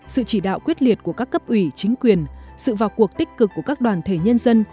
sự chỉ đạo quyết liệt của các cấp ủy chính quyền sự vào cuộc tích cực của các đoàn thể nhân dân